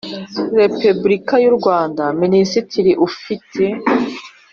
Repubulika y u Rwanda Minisitiri ufite